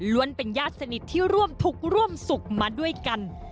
เป็นญาติสนิทที่ร่วมทุกข์ร่วมสุขมาด้วยกัน